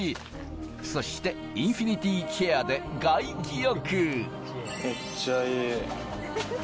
そしてインフィニティチェアで外気浴。